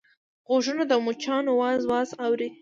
غوږونه د مچانو واز واز اوري